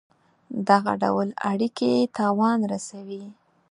دغه ډول اړېکي تاوان رسوي.